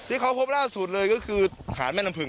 ที่เขาพบล่าสุดเลยก็คือฐานแม่น้ำผึง